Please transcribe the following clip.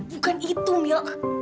bukan itu mila